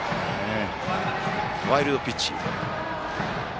ワイルドピッチ。